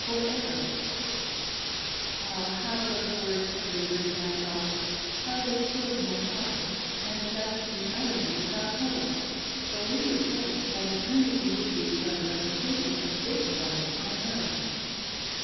For ever ! Ah ! how those words lingered in wiy thoughts ; how they chilled my heart, and left me utterly without hope i; for we ;were told that eternity would be but a repetition of this life on earth.